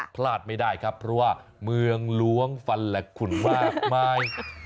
พลาดไม่ได้ครับเพราะว่าเมืองล้วงฟันและขุนมากมาย